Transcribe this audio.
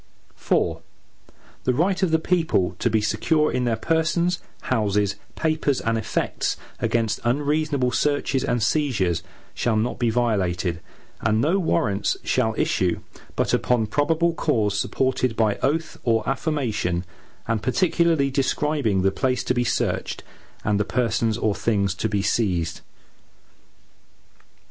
IV The right of the people to be secure in their persons, houses, papers, and effects, against unreasonable searches and seizures, shall not be violated, and no Warrants shall issue, but upon probable cause, supported by oath or affirmation, and particularly describing the place to be searched, and the persons or things to be seized.